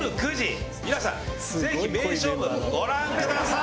皆さんぜひ名勝負ご覧ください！